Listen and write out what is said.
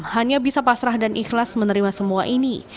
hanya bisa pasrah dan ikhlas menerima semua ini